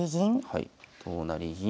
はい同成銀。